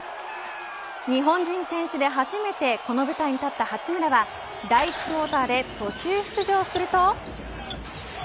日本人選手で初めてこの舞台に立った八村は第１クオーターで途中出場すると。